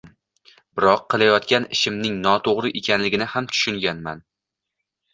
biroq qilayotgan ishimning noto‘g‘ri ekanligini ham tushunganman”.